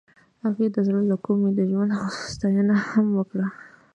هغې د زړه له کومې د ژوند ستاینه هم وکړه.